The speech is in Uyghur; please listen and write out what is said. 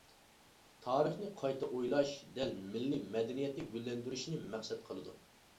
تارىخنى قايتا ئويلاش دەل مىللىي مەدەنىيەتنى گۈللەندۈرۈشنى مەقسەت قىلىدۇ.